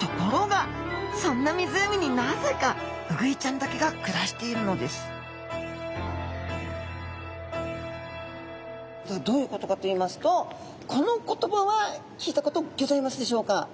ところがそんな湖になぜかウグイちゃんだけが暮らしているのですどういうことかといいますとこの言葉は聞いたことギョざいますでしょうか？